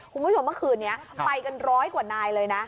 คุณผู้ชมเมื่อคืนนี้ไปกันร้อยกว่านายเลยนะ